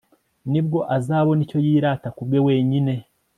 ni bwo azabona icyo yirata ku bwe wenyine